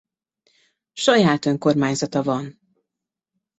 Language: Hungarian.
Saját önkormányzata van.